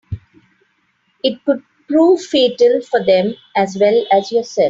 It could prove fatal for them as well as yourself.